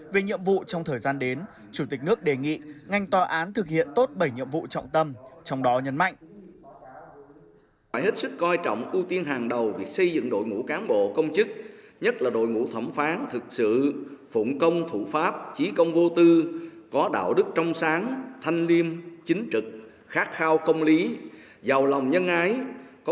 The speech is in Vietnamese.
về nhiệm vụ trong thời gian đến chủ tịch nước đề nghị ngành tòa án thực hiện tốt bảy nhiệm vụ trọng tâm trong đó nhấn mạnh